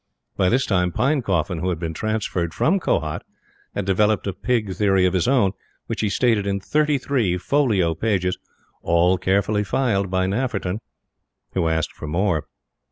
By this time Pinecoffin, who had been transferred from Kohat, had developed a Pig theory of his own, which he stated in thirty three folio pages all carefully filed by Nafferton. Who asked for more.